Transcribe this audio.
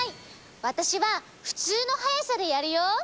わたしはふつうのはやさでやるよ。